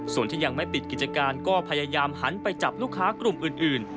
ส่วนที่ยังไม่ปิดกิจการก็พยายามหันไปจับลูกค้ากลุ่มอื่น